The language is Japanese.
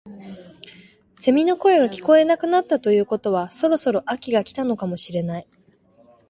セミの声が聞こえなくなったということはそろそろ秋が来たのかもしれない